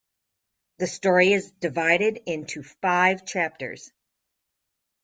The story is divided into five chapters.